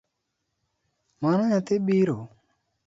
Mano nyathi biro?